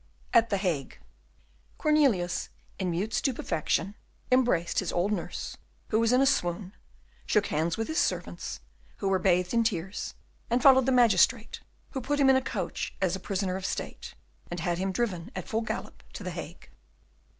"At the Hague." Cornelius, in mute stupefaction, embraced his old nurse, who was in a swoon; shook hands with his servants, who were bathed in tears, and followed the magistrate, who put him in a coach as a prisoner of state and had him driven at full gallop to the Hague.